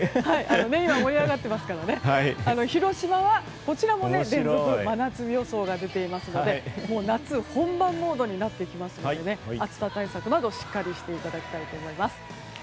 今、盛り上がってますから広島は連続真夏日予想が出ていますので夏本番モードになってきますので暑さ対策などしっかりしていただきたいと思います。